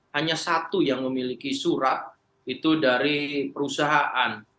hanya satu yang memiliki surat itu dari perusahaan